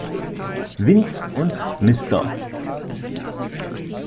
Wint und Mr.